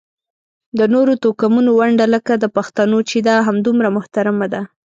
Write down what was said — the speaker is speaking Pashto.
د نورو توکمونو ونډه لکه د پښتنو چې ده همدومره محترمه ده.